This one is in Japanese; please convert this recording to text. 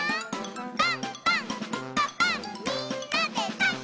「パンパンんパパンみんなでパン！」